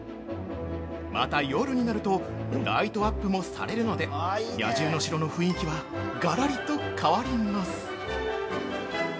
◆また、夜になるとライトアップもされるので野獣の城の雰囲気はがらりと変わります。